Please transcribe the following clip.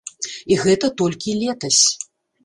І гэта толькі летась.